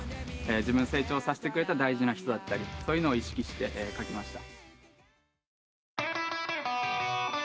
自分を成長させてくれた大事な人だったりそういうのを意識して書きました。